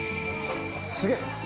すげえ